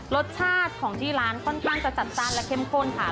รสชาติของที่ร้านค่อนข้างจะจัดจ้านและเข้มข้นค่ะ